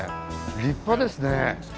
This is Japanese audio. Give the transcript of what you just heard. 立派ですね。